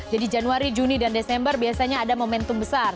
jadi januari juni dan desember biasanya ada momentum besar